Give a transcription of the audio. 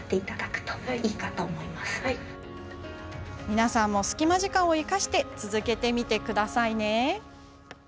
皆さんも隙間時間を生かして続けてみてくださいね。